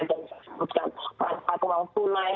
dan saya sebutkan manfaat wang tunai